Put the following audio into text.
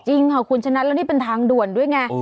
จริงค่ะคุณชนะแล้วนี่เป็นทางด่วนด้วยไง